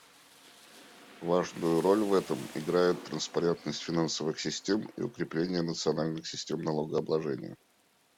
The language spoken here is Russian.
Важную роль в этом играют транспарентность финансовых систем и укрепление национальных систем налогообложения.